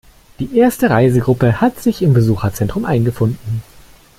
Die erste Reisegruppe hat sich im Besucherzentrum eingefunden.